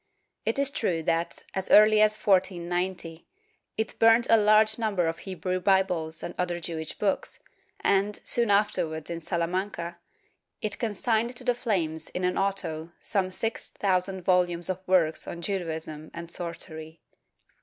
It is true that, as early as 1490, it burnt a large number of Hebrew Bibles and other Jewish books and, soon afterwards in Salamanca, it consigned to the flames in an auto some six thousand volumes of works on Judaism and sorcery.